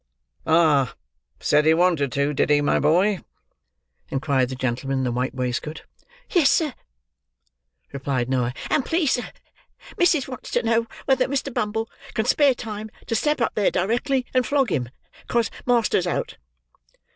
"Ah! Said he wanted to, did he, my boy?" inquired the gentleman in the white waistcoat. "Yes, sir," replied Noah. "And please, sir, missis wants to know whether Mr. Bumble can spare time to step up there, directly, and flog him—'cause master's out."